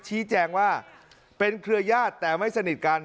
ชี้แจงว่าเป็นเครือญาติแต่ไม่สนิทกัน